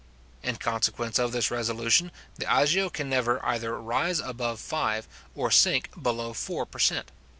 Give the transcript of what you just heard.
In consequence of this resolution, the agio can never either rise above five, or sink below four per cent.